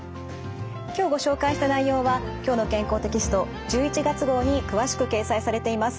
今日ご紹介した内容は「きょうの健康」テキスト１１月号に詳しく掲載されています。